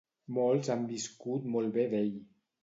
Molts han viscut molt bé d’ell.